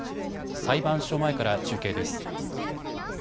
裁判所前から中継です。